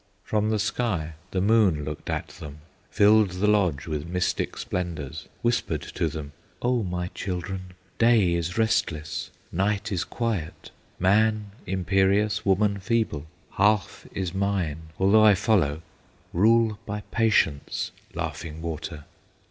From the sky the moon looked at them, Filled the lodge with mystic splendors, Whispered to them, "O my children, Day is restless, night is quiet, Man imperious, woman feeble; Half is mine, although I follow; Rule by patience, Laughing Water!"